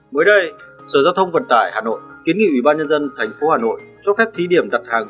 mới đây sở giao thông vận tải hà nội kiến nghị ủy ban nhân dân tp hà nội cho phép thí điểm đặt hàng